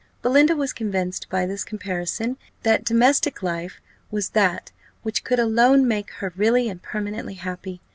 Belinda was convinced by this comparison, that domestic life was that which could alone make her really and permanently happy.